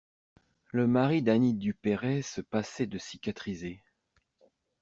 Le mari d'Anny Duperey se passait de cicatriser.